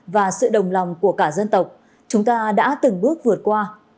và sự đồng lòng của cả dân tộc chúng ta đã từng bước vượt qua